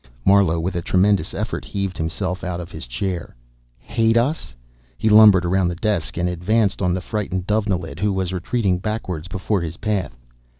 Marlowe with a tremendous effort heaved himself out of his chair. "Hate us?" He lumbered around the desk and advanced on the frightened Dovenilid, who was retreating backwards before his path.